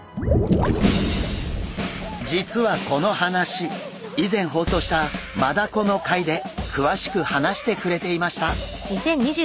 実はこの話以前放送したマダコの回で詳しく話してくれていました。